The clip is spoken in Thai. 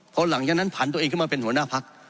พอหลังจากนั้นผ่านตัวเองขึ้นมาเป็นหัวหน้าพัก